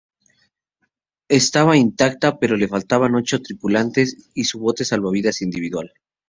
Estaba intacta, pero le faltaban ocho tripulantes y un bote salvavidas individual.